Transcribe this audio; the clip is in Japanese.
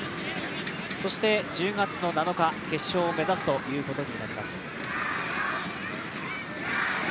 そして１０月の７日、決勝を目指すということになります。